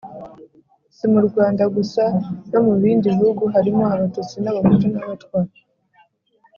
si mu rwanda gusa: no mu bindi bihugu harimo abatutsi n’abahutu n’abatwa,